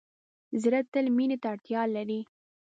زړه تل مینې ته اړتیا لري.